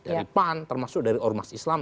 dari pan termasuk dari ormas islam